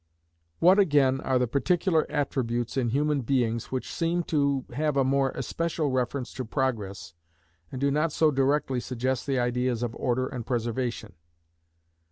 What, again, are the particular attributes in human beings which seem to have a more especial reference to Progress, and do not so directly suggest the ideas of Order and Preservation?